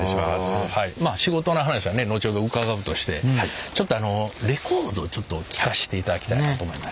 まあ仕事の話はね後ほど伺うとしてちょっとあのレコードちょっと聴かせていただきたいなと思いまして。